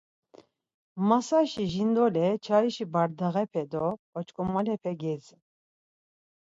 Masaşi jindole çaişi bardağepe do oç̌ǩomalepe gedzin.